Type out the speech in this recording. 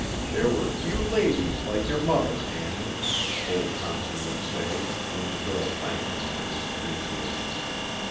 "There were few ladies like your mother, Annie," old Thompson would say, when the girl thanked him for his appreciation.